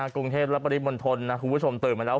กรุงเทพและปริมณฑลนะคุณผู้ชมตื่นมาแล้ว